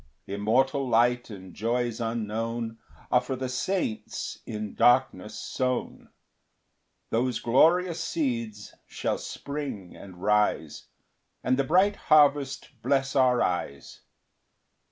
3 Immortal light and joys unknown Are for the saints in darkness sown; Those glorious seeds shall spring and rise, And the bright harvest bless our eyes.